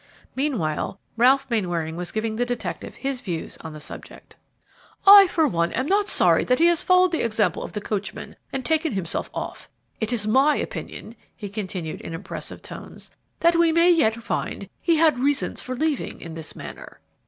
Meanwhile, Ralph Mainwaring was giving the detective his views on the subject. "I, for one, am not sorry that he has followed the example of the coachman and taken himself off. It is my opinion," he continued, in impressive tones, "that we will yet find he had reasons for leaving in this manner."